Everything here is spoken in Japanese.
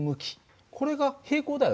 これが平行だよね。